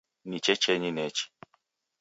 Ni checheni nechi